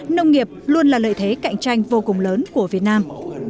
nông nghiệp luôn là lợi thế cạnh tranh vô cùng lớn của việt nam